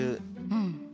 うん。